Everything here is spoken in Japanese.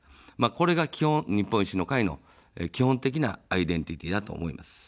これが基本、日本維新の会の基本的なアイデンティティ−だと思います。